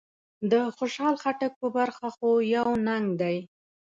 د خوشحال خټک په برخه خو يو ننګ دی.